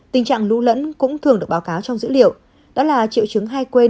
tình trạng lũ lẫn cũng thường được báo cáo trong dữ liệu đó là triệu chứng hay quên